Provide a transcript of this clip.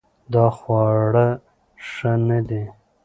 دا خواړه ښه نه دي